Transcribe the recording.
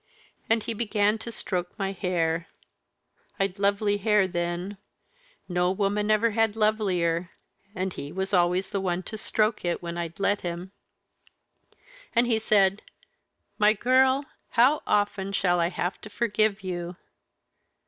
and he began to stroke my hair I'd lovely hair then, no woman ever had lovelier, and he was always one to stroke it when I'd let him! and he said, 'My girl, how often shall I have to forgive you?'